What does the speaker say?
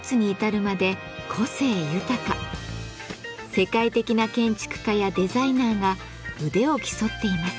世界的な建築家やデザイナーが腕を競っています。